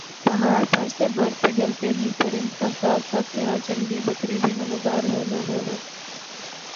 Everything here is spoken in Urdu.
پہاڑ پر سے برف پگھلتے ہی پرند کا ساتھ ساتھ یَہاں جنگلی بکری بھی نمودار ہونا ہونا